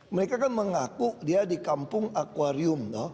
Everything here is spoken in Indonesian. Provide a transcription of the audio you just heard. mereka kan mengaku dia di kampung akwarium